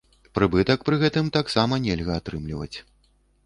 Прыбытак пры гэтым таксама нельга атрымліваць.